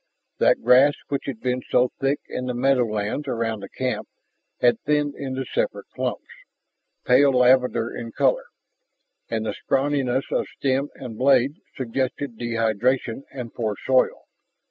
That grass which had been so thick in the meadowlands around the camp had thinned into separate clumps, pale lavender in color. And the scrawniness of stem and blade suggested dehydration and poor soil.